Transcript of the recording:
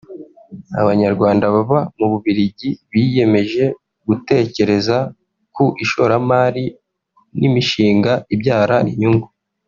Abanyarwanda baba mu Bubiligi biyemeje gutekereza ku ishoramari n’imishinga ibyara inyungu